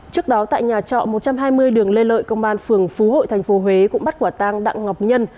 trước đó tại nhà trọ một trăm hai mươi đường lê lợi công an phường phú hội tp huế cũng bắt quả tang đặng ngọc nhân